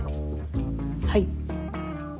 はい。